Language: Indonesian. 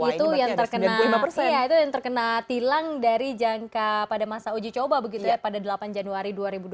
itu yang terkena tilang dari jangka pada masa uji coba begitu ya pada delapan januari dua ribu dua puluh